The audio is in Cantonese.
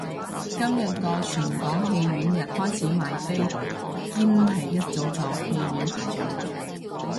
今日個全港戲院日開始賣飛，堅係一早就戲院排長龍